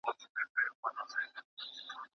زکات د ټولو لپاره ګټور دی.